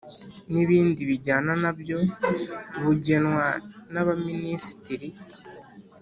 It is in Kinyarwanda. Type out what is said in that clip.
n ibindi bijyana na byo bugenwa naba minisitiri